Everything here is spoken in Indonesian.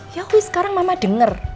ya wih sekarang mama denger